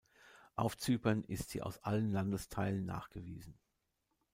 Auf Zypern ist sie aus allen Landesteilen nachgewiesen.